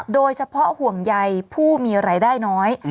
โดยเฉพาะห่วงใยผู้มีรายได้น้อย